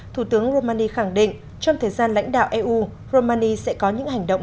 thủ tướng romani khẳng định trong thời gian lãnh đạo eu romani sẽ có những hành động